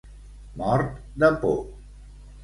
Mort de por.